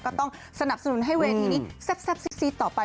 ก็ต้องสนับสนุนให้เวทีนี้แซ่บซีดต่อไป